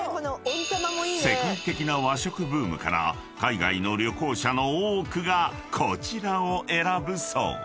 ［世界的な和食ブームから海外の旅行者の多くがこちらを選ぶそう］